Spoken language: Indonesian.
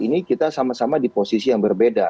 ini kita sama sama di posisi yang berbeda